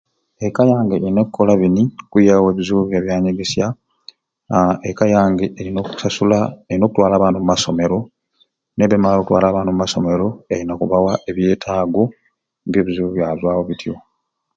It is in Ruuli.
Eka yange erina okukola bini okwiyawo ebizibu bya byanyegesya aa eka yange erina okusasula erina okutwala abaana omumasomero nebba nga emaare okutwala abaana omumasomero erina okubawa ebyetaago ng'ebizibu byazwawo bityo.